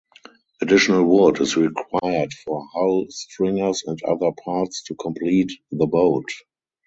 Additional wood is required for hull stringers and other parts to complete the boat.